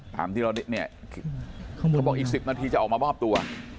ตามที่เราเนี่ยเขาบอกอีก๑๐นาทีจะออกมามอบตัว